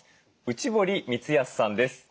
内堀光康さんです。